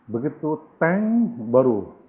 begitu teng baru